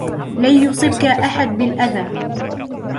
لن يصبك أحد بالأذى.